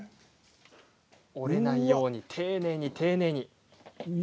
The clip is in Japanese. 折れないように丁寧に丁寧に。